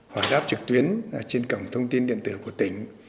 hỏi đáp trực tuyến trên cổng thông tin điện tử của tỉnh